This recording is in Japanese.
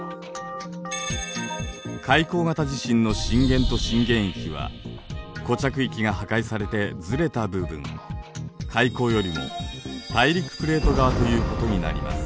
海溝型地震の震源と震源域は固着域が破壊されてずれた部分海溝よりも大陸プレート側ということになります。